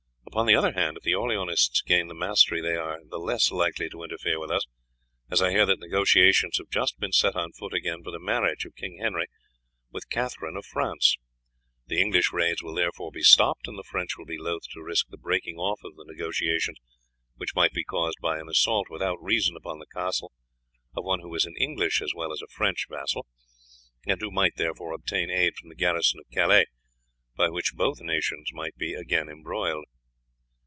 Upon the other hand, if the Orleanists gain the mastery they are the less likely to interfere with us, as I hear that negotiations have just been set on foot again for the marriage of King Henry with Katherine of France. The English raids will therefore be stopped, and the French will be loath to risk the breaking off of the negotiations which might be caused by an assault without reason upon the castle of one who is an English as well as a French vassal, and who might, therefore, obtain aid from the garrison of Calais, by which both nations might be again embroiled."